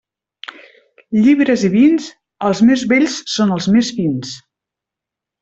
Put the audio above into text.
Llibres i vins, els més vells són els més fins.